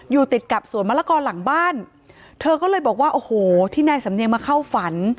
อยู่ติดกับสวนมะละกอหลังบ้านเธอก็เลยบอกว่าโอ้โหที่นายสำเนียงมาเข้าฝัน